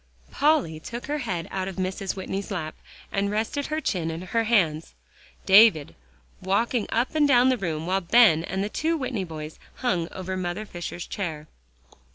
Polly took her head out of Mrs. Whitney's lap, and rested her chin in her hands, Davie walked up and down the room, while Ben and the two Whitney boys hung over Mother Fisher's chair.